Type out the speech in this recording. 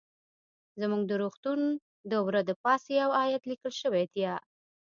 زموږ د روغتون د وره د پاسه يو ايت ليکل شوى ديه.